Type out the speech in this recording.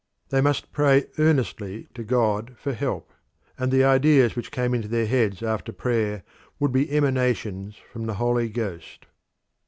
They must pray earnestly to God for help: and the ideas which came into their heads after prayer would be emanations from the Holy Ghost.